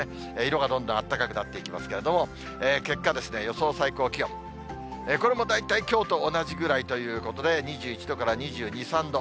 色がどんどんあったかくなっていきますけれども、結果、予想最高気温、これも大体きょうと同じぐらいということで、２１度から２２、３度。